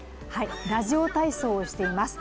ラジオ体操をしています。